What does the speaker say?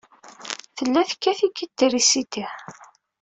Tella tekkat-ik-id trisiti.